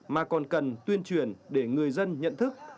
mà còn cần tuyên truyền để người dân nhận thức